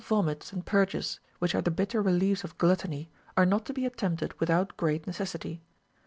Medicinal vomits and purges, which are the bitter reliefs of gluttony, are not to be attempted without great necessity.